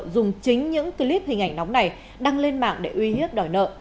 dùng chính những clip hình ảnh nóng này đăng lên mạng để uy hiếp đòi nợ